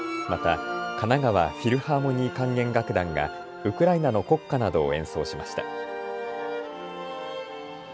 また神奈川フィルハーモニー管弦楽団がウクライナの国歌などを演奏しました。